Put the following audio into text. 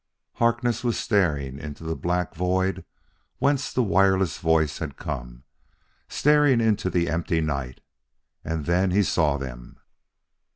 Harkness was staring into the black void whence the wireless voice had come staring into the empty night. And then he saw them.